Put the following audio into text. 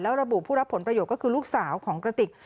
ระบุผู้รับผลประโยชน์ก็คือลูกสาวของกระติก